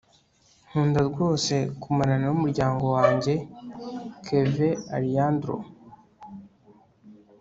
nkunda rwose kumarana n'umuryango wanjye. - kevin alejandro